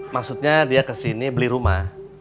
maksudnya dia ke sini beli rumah